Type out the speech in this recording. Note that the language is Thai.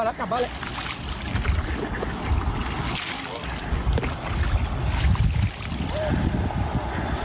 แล้วกลับบ้านเลย